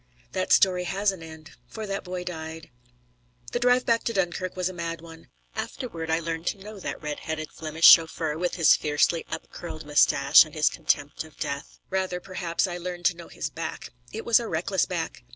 That story has an end; for that boy died. The drive back to Dunkirk was a mad one. Afterward I learned to know that red headed Flemish chauffeur, with his fiercely upcurled moustache and his contempt of death. Rather, perhaps, I learned to know his back. It was a reckless back.